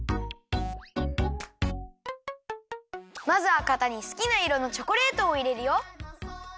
まずはかたにすきないろのチョコレートをいれるよ。